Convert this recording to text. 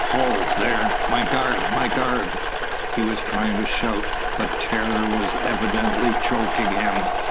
"Ho! there! My guard! My guard!" He was trying to shout, but terror was evidently choking him.